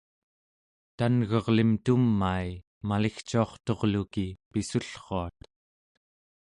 tan'gerlim tumai maligcuarturluki pissullruat